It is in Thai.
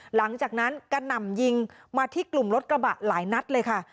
หลังจากนั้นกระหน่ำยิงมาที่กลุ่มรถกระบะหลายนัดเลยค่ะ